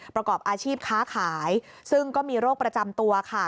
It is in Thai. ประกอบอาชีพค้าขายซึ่งก็มีโรคประจำตัวค่ะ